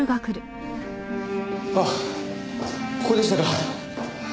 あっここでしたか。